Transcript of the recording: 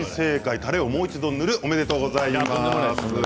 たれをもう一度、塗るおめでとうございます。